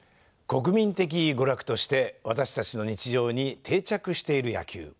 国民的娯楽として私たちの日常に定着している野球。